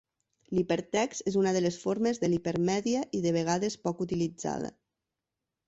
L'hipertext és una de les formes de l'hipermèdia i de vegades poc utilitzada.